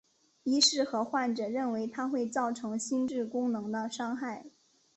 医师和患者认为它会造成心智功能的伤害。